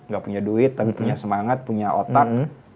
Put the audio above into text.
gak punya duit tapi punya semangat punya otak